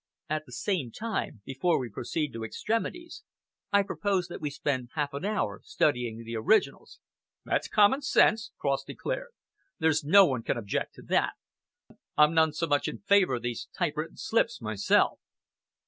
"At the same time, before we proceed to extremities, I propose that we spend half an hour studying the originals." "That's common sense," Cross declared. "There's no one can object to that. I'm none so much in favour of these typewritten slips myself."